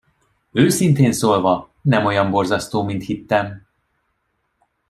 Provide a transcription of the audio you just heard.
Őszintén szólva nem olyan borzasztó, mint hittem.